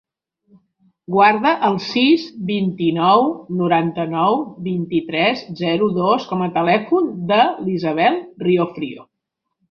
Guarda el sis, vint-i-nou, noranta-nou, vint-i-tres, zero, dos com a telèfon de l'Isabel Riofrio.